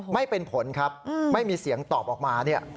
ไม่เป็นผลครับไม่มีเสียงตอบออกมาเนี่ย